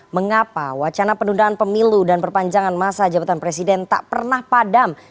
mengapa wacana penundaan pemilu dan perpanjangan masa jabatan presiden tak pernah padam